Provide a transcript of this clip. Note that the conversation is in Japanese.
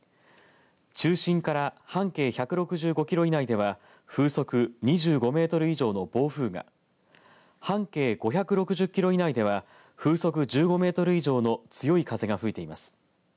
中心から半径１６５キロ以内では風速２５メートル以上の暴風が半径５６０キロ以内では風速１５メートル以上の強い風が吹いています。